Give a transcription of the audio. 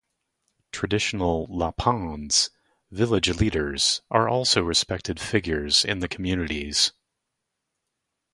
Traditional "Lapans" - village leaders, are also respected figures in the communities.